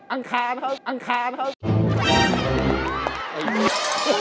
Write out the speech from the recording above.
อังคารครับ